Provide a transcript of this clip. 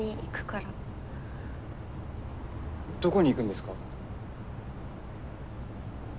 どこに行くんですか？